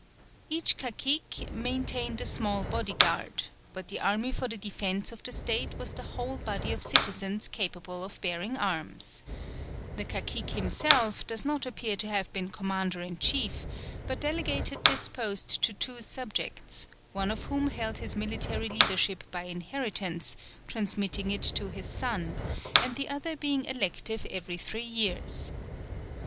Each cacique maintained a small bodyguard; but the army for the defence of the State was the whole body of citizens capable of bearing arms. The cacique himself does not appear to have been commander in chief, but delegated this post to two subjects, one of whom held his military leadership by inheritance, transmitting it to his son, and the other being elective every three years.